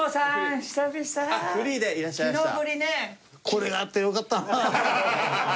これがあってよかったな。